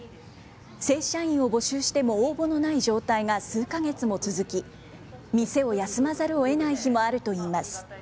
正社員を募集しても応募のない状態が数か月も続き、店を休まざるをえない日もあるといいます。